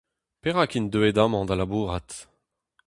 Perak int deuet amañ da labourat ?